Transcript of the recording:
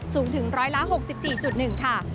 สูงถึง๑๖๔๑บาท